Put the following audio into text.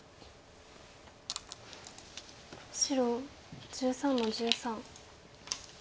白１３の十三。